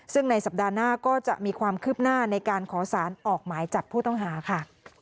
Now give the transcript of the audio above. ซึ่งในสัปดาห์หน้าก็จะมีความคืบหน้าในการขอสารออกหมายจับผู้ต้องหาค่ะ